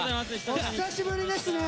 お久しぶりですね。